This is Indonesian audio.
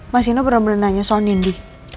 mas ino bener bener nanya soal nindi